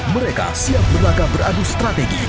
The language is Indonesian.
mereka siap berlagak beradu strategi